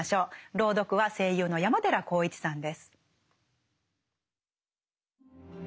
朗読は声優の山寺宏一さんです。